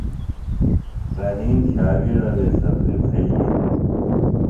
رحیم ݜاوِیڑہ وے سبزیۡ بھیِئی دےۡ۔